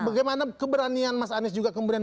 bagaimana keberanian mas anies juga kemudian